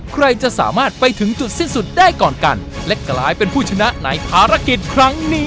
ใครจะสามารถไปถึงจุดสิ้นสุดได้ก่อนกันและกลายเป็นผู้ชนะในภารกิจครั้งนี้